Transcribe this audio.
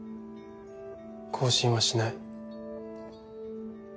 更新はしない。